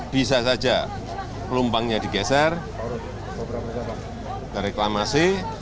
bisa saja pelumpangnya digeser berreklamasi